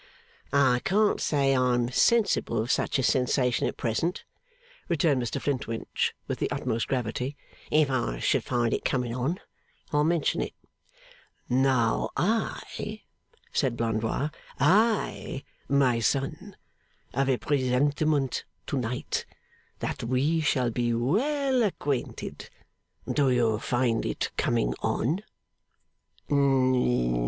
'I can't say I'm sensible of such a sensation at present,' returned Mr Flintwinch with the utmost gravity. 'If I should find it coming on, I'll mention it.' 'Now I,' said Blandois, 'I, my son, have a presentiment to night that we shall be well acquainted. Do you find it coming on?